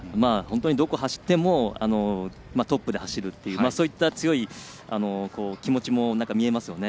どこを走ってもトップで走るというそういった強い気持ちも見えますよね。